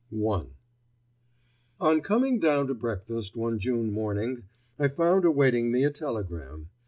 *I* On coming down to breakfast one June morning I found awaiting me a telegram.